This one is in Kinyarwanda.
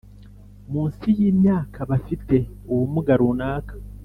Munsi y imyaka bafite ubumuga runaka